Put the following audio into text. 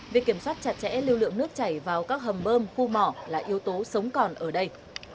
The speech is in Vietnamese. việc kiểm soát chặt chẽ lưu lượng nước chảy vào các hầm bơm khu mỏ là yếu tố sống còn ở đây